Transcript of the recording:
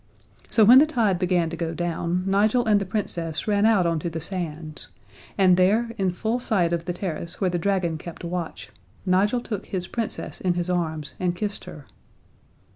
So when the tide began to go down, Nigel and the Princess ran out on to the sands, and there, in full sight of the terrace where the dragon kept watch, Nigel took his Princess in his arms and kissed her.